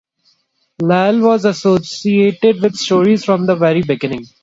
Lal was associated with stories from the very beginning.